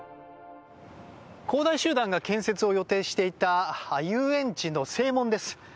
恒大集団が建設を予定していた遊園地の正門です。